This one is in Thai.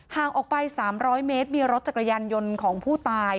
ห่างออกไป๓๐๐เมตรมีรถจักรยานยนต์ของผู้ตาย